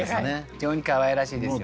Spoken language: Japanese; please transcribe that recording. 非常にかわいらしいですよね。